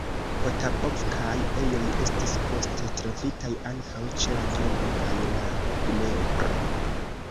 Potapovkaj ejoj estis poste trovitaj ankaŭ ĉe la Dono kaj la Dnepro.